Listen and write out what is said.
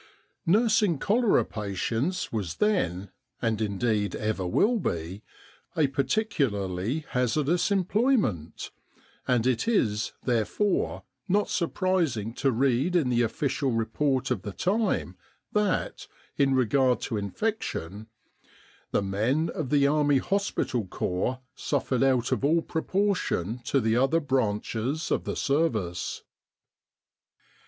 Nursing cholera patients was then, and indeed ever will be, a particularly hazardous employment; and it is, therefore, not surprising to read in the official report of the time that, in regard to infection, "the men of the Army Hospital Corps suffered out of all proportion to the other branches of the Service."